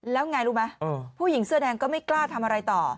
แล้วไงรู้ไหมผู้หญิงเสื้อแดงก็ไม่กล้าทำอะไรต่อ